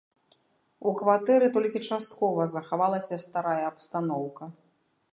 У кватэры толькі часткова захавалася старая абстаноўка.